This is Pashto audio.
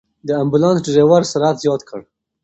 د امبولانس ډرېور سرعت زیات کړ.